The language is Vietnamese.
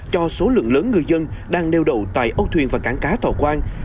cho số lượng lớn người dân đang nêu đầu tại âu thuyền và cảng cá thổ quang